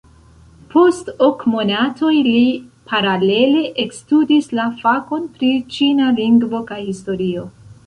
Post ok monatoj li paralele ekstudis la fakon pri ĉina lingvo kaj historio.